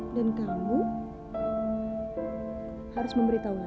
dan kamu harus memberitahu lelah